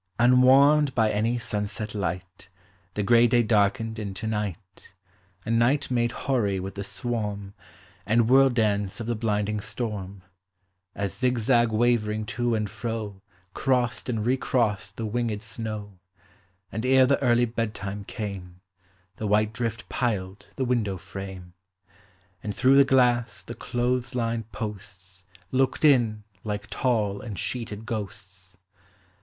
••••• Unwarmed by any sunset light The gray day darkened into night, A night made hoary with the swarm And whirl dance of the blinding storm, As zigzag wavering to and fro Crossed and recrossed the winged snow: And ere the early bedtime came The white drift piled the window frame. THE HOME. And through the glass the clothes line posts Looked in like tall and sheeted ghosts.